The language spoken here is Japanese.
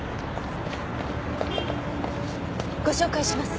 ご紹介します。